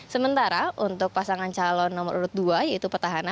sementara untuk pasangan calon nomor urut dua yaitu petahana